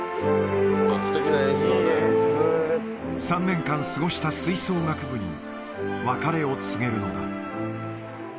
３年間過ごした吹奏楽部に別れを告げるのだ。